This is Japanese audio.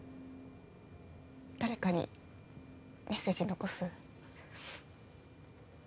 誰かにメッセージ残す？